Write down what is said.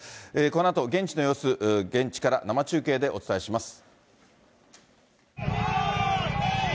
このあと、現地の様子、現地から生中継でお伝えします。